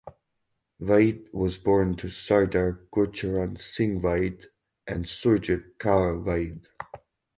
Vaid was born to Sardar Gurcharan Singh Vaid and Surjit Kaur Vaid.